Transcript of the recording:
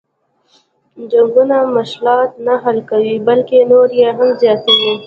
جنګونه مشلات نه حل کوي بلکه نور یې هم زیاتوي.